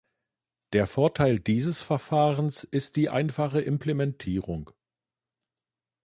Der Vorteil dieses Verfahrens ist die einfache Implementierung.